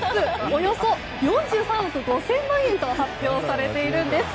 およそ４３億５０００万円と発表されているんです。